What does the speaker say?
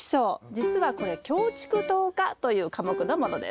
じつはこれキョウチクトウ科という科目のものです。